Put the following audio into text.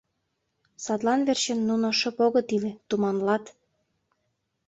Садлан верчын нуно шып огыт иле, туманлат.